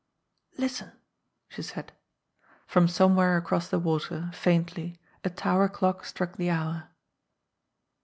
"Listen!" she said. From somewhere across the water, faintly, a tower clock struck the hour.